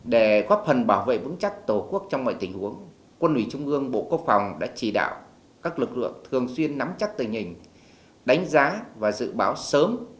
để góp phần bảo vệ vững chắc tổ quốc trong mọi tình huống quân ủy trung ương bộ quốc phòng đã chỉ đạo các lực lượng thường xuyên nắm chắc tình hình đánh giá và dự báo sớm